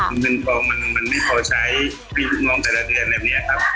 มาเที่ยงทางมันไม่พอใช้ดงองแต่ละเดือนแบบนี้อ่ะครับ